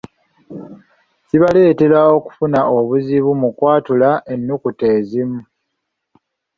Kibaleetera okufuna obuzibu mu kwatula ennukuta ezimu.